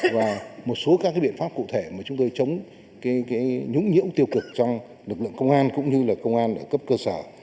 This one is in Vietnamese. và một số các biện pháp cụ thể mà chúng tôi chống nhũng tiêu cực trong lực lượng công an cũng như là công an ở cấp cơ sở